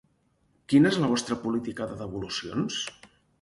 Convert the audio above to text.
Quina és la vostra política de devolucions?